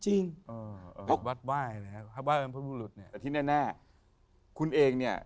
ช่วงที่เนื้อแนนคุณเองเนี่ย